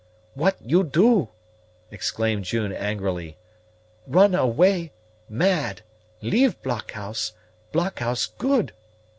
"What you do?" exclaimed June angrily. "Run away mad leave blockhouse; blockhouse good."